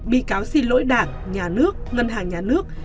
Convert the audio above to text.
bị cáo xin lỗi đảng nhà nước ngân hàng nhà nước